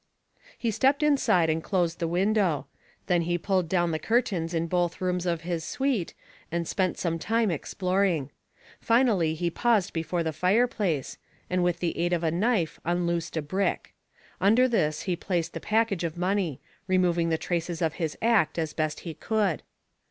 He stepped inside and closed the window. Then he pulled down the curtains in both rooms of his suite, and spent some time exploring. Finally he paused before the fireplace, and with the aid of a knife unloosed a brick. Under this he placed the package of money, removing the traces of his act as best he could.